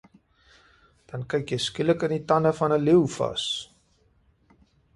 Dan kyk jy skielik in die tande van ’n Leeu vas.